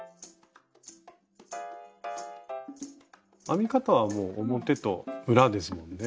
編み方は表と裏ですもんね。